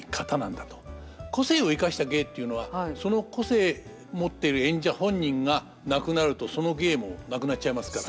個性をいかした芸っていうのはその個性もってる演者本人が亡くなるとその芸もなくなっちゃいますから。